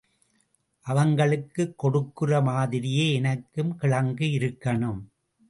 அவங்களுக்குக் கொடுக்கிற மாதிரியே எனக்கும் கிழங்கு இருக்கணும்.